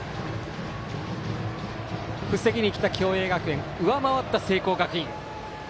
防ぎにきた共栄学園上回った聖光学院。